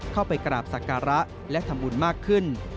เข้าไปกราบศักระและทำบุญมากขึ้น